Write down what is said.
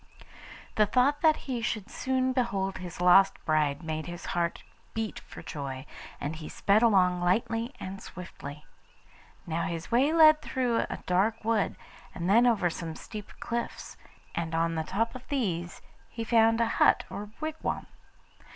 The thought that he should soon behold his lost bride made his heart beat for joy, and he sped along lightly and swiftly. Now his way led through a dark wood, and then over some steep cliffs, and on the top of these he found a hut or wigwam.